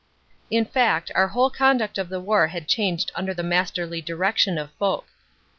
In fact, our whole conduct of the war had changed under the masterly direction of Foch.